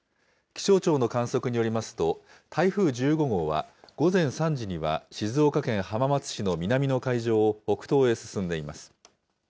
気象庁の観測によりますと、台風１５号は午前３時には静岡県浜松市の南の海上を北東へ進んでいます。